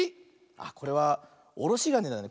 あっこれはおろしがねだね。